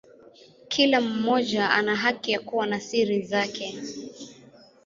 Kila mmoja ana haki ya kuwa na siri zake.